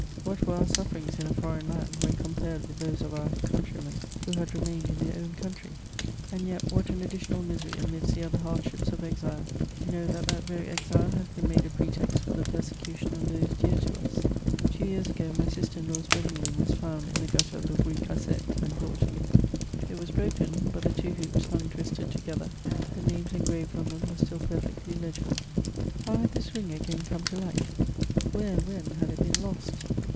What were our snfTerings in a fordgn knd, when compaied with those of our countrymen who had remained in their own country ? And yet what an additional misery amidst the other hardships of exile, to know that that very exile has been made a pretext for the persecution of those dear to us ! Two years ago my sister in law's wedding ring was found in the gutter of the Rue Cassette, and brought to me ; it was broken ; but the two hoops hung twisted together ; the names engraved on them were still peifectly legible. How had this ring again come to light? Where and when had it been lost